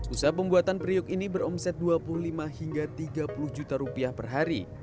usaha pembuatan periuk ini beromset rp dua puluh lima hingga rp tiga puluh per hari